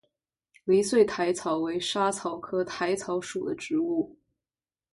离穗薹草为莎草科薹草属的植物。